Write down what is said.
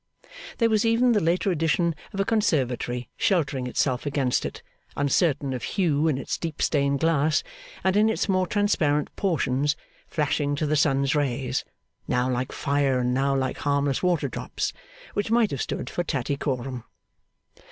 There was even the later addition of a conservatory sheltering itself against it, uncertain of hue in its deep stained glass, and in its more transparent portions flashing to the sun's rays, now like fire and now like harmless water drops; which might have stood for Tattycoram.